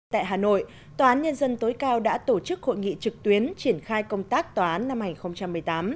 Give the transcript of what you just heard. tại hà nội tòa án nhân dân tối cao đã tổ chức hội nghị trực tuyến triển khai công tác tòa án năm hai nghìn một mươi tám